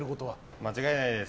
間違いないです！